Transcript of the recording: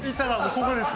そうです！